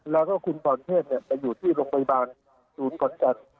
แล้วก็คุณตอนเทศอยู่ที่โรงพยาบาลศูนย์กรรจันทร์